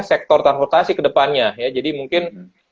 sektor transportasi kedepannya ya jadi mungkin